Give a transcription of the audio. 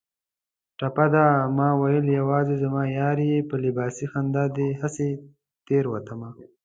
ټپه ده: ماوېل یوازې زما یار یې په لباسي خندا دې هسې تېروتمه